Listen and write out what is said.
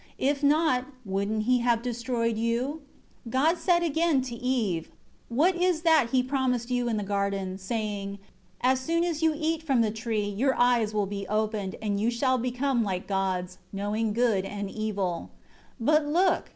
If not, wouldn't he have destroyed you?" 6 God said again to Eve, "What is that he promised you in the garden, saying, 'As soon as you eat from the tree, your eyes will be opened, and you shall become like gods, knowing good and evil.' But look!